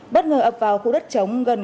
bất ngờ ập vào khu đất chống gần các đối tượng